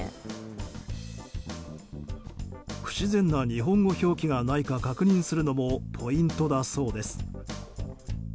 不自然な日本語の表記がないかを確認することもポイントだそうです。